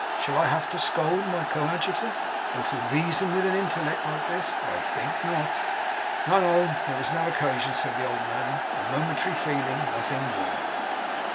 Shall I have to scold my coadjutor, or to reason with an intellect like this? I think not.' 'No, no. There is no occasion,' said the old man. 'A momentary feeling. Nothing more.